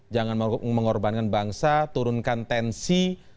jangan mengorbankan bangsa turunkan tensi